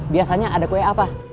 biasanya ada kue apa